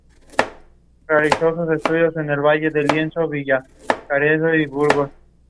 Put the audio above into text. Desesperado, Bruno sigue cometiendo delitos hasta que es acorralado.